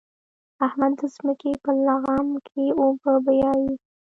احمد د ځمکې په لغم کې اوبه بيايي.